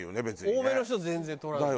欧米の人は全然取らない。